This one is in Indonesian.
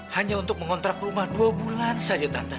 hanya untuk mengontrak rumah dua bulan saja